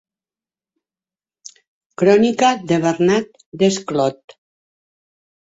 Crònica de Bernat Desclot.